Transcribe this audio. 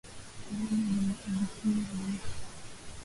Mtihani ulikuwa rahisi